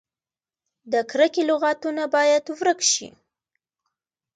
د کرکې لغتونه باید ورک شي.